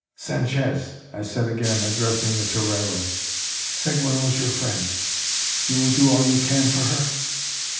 "Sanchez!" I said again, addressing the torero, "Seguin was your friend. You will do all you can for her?"